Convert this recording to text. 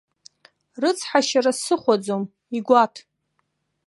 Рыцҳашьара сыхәаӡом, игәаҭ.